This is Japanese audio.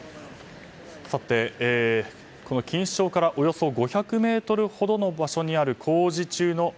錦糸町からおよそ５００ｍほどの場所にある。